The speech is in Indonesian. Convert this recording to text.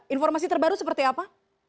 informasi terbaru seperti apa